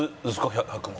１００万。